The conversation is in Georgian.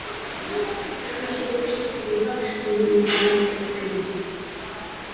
საქართველოში გვხვდება მიმოფრენისას.